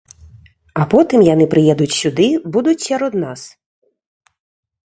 А потым яны прыедуць сюды, будуць сярод нас.